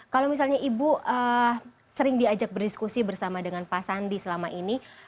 kalau misalnya ibu sering diajak berdiskusi bersama dengan pak sandi selama ini